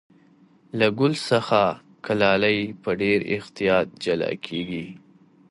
له ګل څخه کلالې په ډېر احتیاط جلا کېږي.